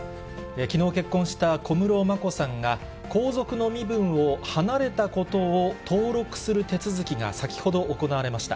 きのう結婚した小室眞子さんが、皇族の身分を離れたことを登録する手続きが、先ほど行われました。